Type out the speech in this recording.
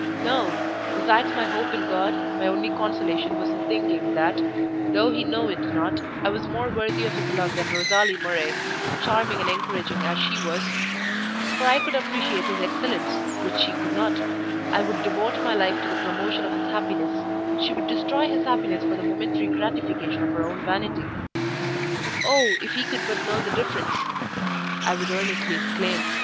No—besides my hope in God, my only consolation was in thinking that, though he know it not, I was more worthy of his love than Rosalie Murray, charming and engaging as she was; for I could appreciate his excellence, which she could not: I would devote my life to the promotion of his happiness; she would destroy his happiness for the momentary gratification of her own vanity. "Oh, if he could but know the difference!" I would earnestly exclaim.